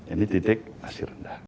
ini titik masih rendah